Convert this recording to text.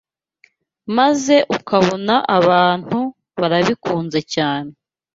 maze ukabona abantu barabikunze cyane